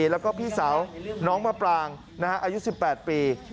แล้วก็พี่สาวน้องมะปรางอายุ๑๘ปี